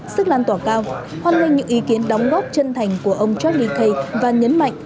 sức lan tỏa cao hoan nghênh những ý kiến đóng góp chân thành của ông charle key và nhấn mạnh